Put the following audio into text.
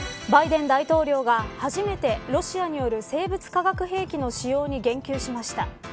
バイデン大統領は初めてロシアによる生物・化学兵器の使用に言及しました。